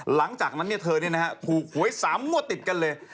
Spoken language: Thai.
หลังจากนั้นเนี่ยเธอนี่นะฮะผูกไหว้๓มัวติดกันเลย